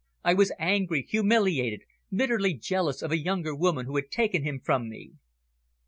I was angry, humiliated, bitterly jealous of a younger woman who had taken him from me."